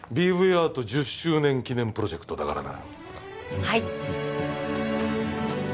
アート１０周年記念プロジェクトだからな